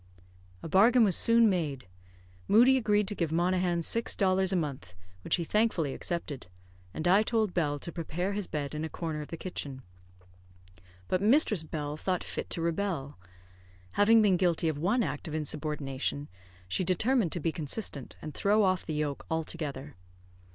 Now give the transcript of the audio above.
A bargain was soon made. Moodie agreed to give Monaghan six dollars a month, which he thankfully accepted; and I told Bell to prepare his bed in a corner of the kitchen. But mistress Bell thought fit to rebel. Having been guilty of one act of insubordination, she determined to be consistent, and throw off the yoke altogether.